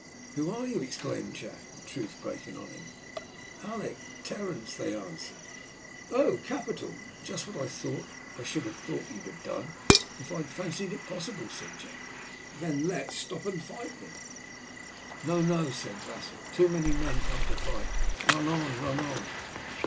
"Who are you?" exclaimed Jack, the truth breaking oh him. "Alick Terence," they answered. "Oh, capital! just what I should have thought you'd have done, if I had fancied it possible," said Jack. "Then let's stop and fight them." "No, no," said Wasser, "too many men come to fight. Run on, run on!"